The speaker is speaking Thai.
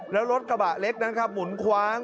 แล้วรถกระบะเล็กนั้นครับหมุนคว้าง